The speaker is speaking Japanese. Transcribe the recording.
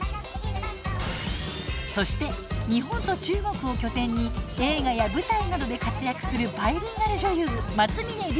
そして日本と中国を拠点に映画や舞台などで活躍するバイリンガル女優松峰莉璃！